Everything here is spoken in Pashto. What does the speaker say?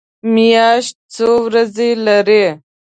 میاشت څو ورځې لري؟